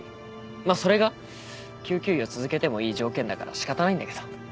まあそれが救急医を続けてもいい条件だから仕方ないんだけど。